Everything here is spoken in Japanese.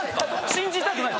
信じたくない。